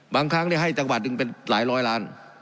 บางครั้งให้จังหวัดหนึ่งเป็นหลายร้อยล้าน